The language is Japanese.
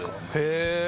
へえ。